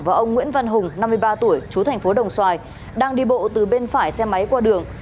vào ông nguyễn văn hùng năm mươi ba tuổi trú tp đồng xoài đang đi bộ từ bên phải xe máy qua đường